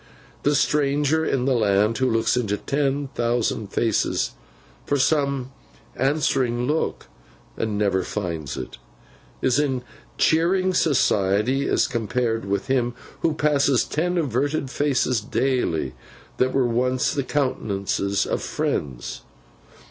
The stranger in the land who looks into ten thousand faces for some answering look and never finds it, is in cheering society as compared with him who passes ten averted faces daily, that were once the countenances of friends.